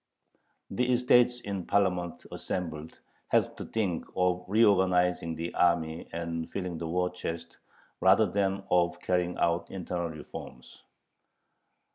The "estates in Parliament assembled" had to think of reorganizing the army and filling the war chest rather than of carrying out internal reforms.